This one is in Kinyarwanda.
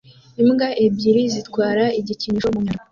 Imbwa ebyiri zitwara igikinisho mu nyanja